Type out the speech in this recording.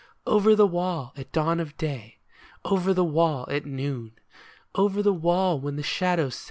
Over the wall at dawn of day, Over the wall at noon. Over the wall when the shadows s«.